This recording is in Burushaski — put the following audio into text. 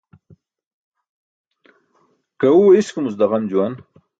Gaẏuwe iskumuc daġam juwan.